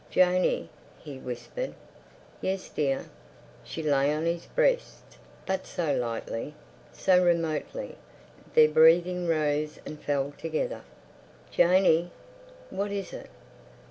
"Janey," he whispered. "Yes, dear?" She lay on his breast, but so lightly, so remotely. Their breathing rose and fell together. "Janey!" "What is it?"